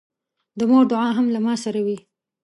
د مور دعا هم له ما سره وي.